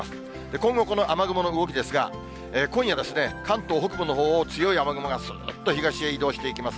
今後、この雨雲の動きですが、今夜、関東北部のほうを強い雨雲がすーっと東へ移動していきます。